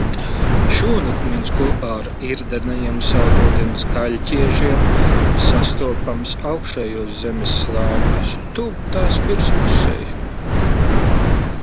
Šūnakmens kopā ar irdenajiem saldūdens kaļķiežiem sastopams augšējos zemes slāņos, tuvu tās virspusei.